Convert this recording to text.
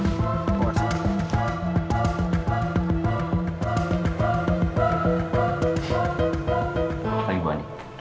selamat pagi bu andien